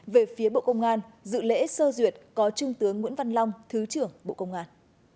về phía bộ công an dự lễ sơ duyệt có trung tướng nguyễn văn long thứ trưởng bộ công an